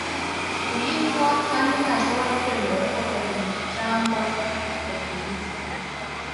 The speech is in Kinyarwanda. uyinywa kandi ntashobora kwemera ko ari mbi, cyangwa yahiye.